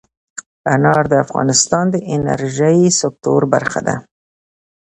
انار د افغانستان د انرژۍ سکتور برخه ده.